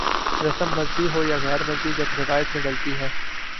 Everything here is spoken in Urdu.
رسم مذہبی ہو یا غیر مذہبی جب روایت میں ڈھلتی ہے۔